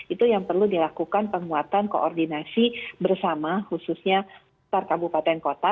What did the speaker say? itu yang perlu dilakukan penguatan koordinasi bersama khususnya per kabupaten kota